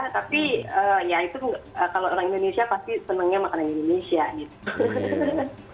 tapi ya itu kalau orang indonesia pasti senangnya makanan indonesia gitu